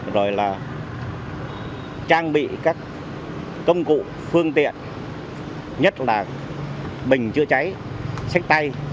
rồi là trang bị các công cụ phương tiện nhất là bình chữa cháy sách tay